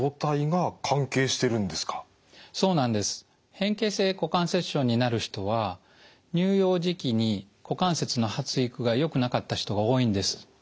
変形性股関節症になる人は乳幼児期に股関節の発育がよくなかった人が多いんです。